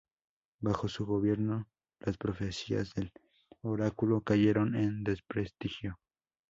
Bajo su gobierno, las profecías del oráculo cayeron en desprestigio.